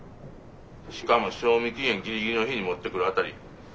しかも賞味期限ギリギリの日に持ってくる辺りさすがやわ。